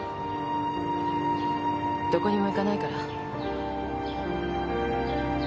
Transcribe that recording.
どこにも行かないから。